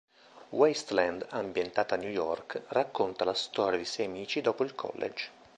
Wasteland, ambientata a New York, racconta la storia di sei amici dopo il college.